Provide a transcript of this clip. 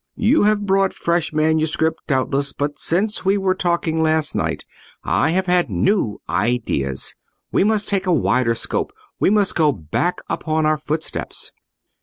"You have brought fresh manuscript, doubtless; but since we were talking last night I have had new ideas: we must take a wider scope—we must go back upon our footsteps."